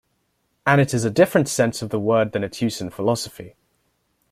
And it is a different sense of the word than its use in philosophy.